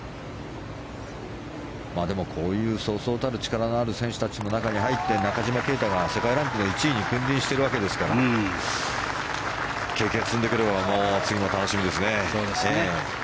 でも、こういうそうそうたる力のある選手たちの中に入って中島啓太が世界ランクの１位に君臨しているわけですから経験を積んでくれば次も楽しみですね。